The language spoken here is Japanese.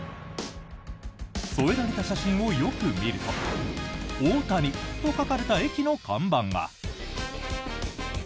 添えられた写真をよく見ると「大谷」と書かれた駅の看板が。